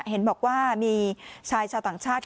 เห็นบอกว่ามีชายชาวต่างชาติ